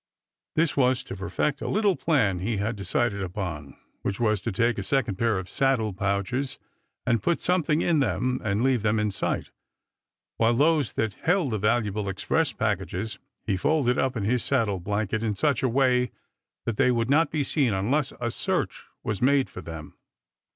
This was to perfect a little plan he had decided upon, which was to take a second pair of saddle pouches and put something in them and leave them in sight, while those that held the valuable express packages he folded up in his saddle blanket in such a way that they would not be seen unless a search was made for them.